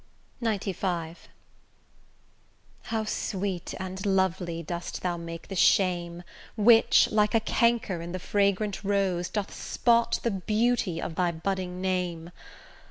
XCV How sweet and lovely dost thou make the shame Which, like a canker in the fragrant rose, Doth spot the beauty of thy budding name!